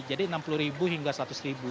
jadi rp enam puluh hingga rp seratus